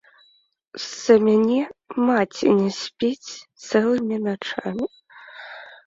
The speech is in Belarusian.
З-за мяне маці не спіць цэлымі начамі.